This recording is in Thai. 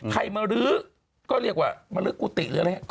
ใครมาลื้อก็เรียกว่ามรลึกกุฏิหรืออะไรอย่างนี้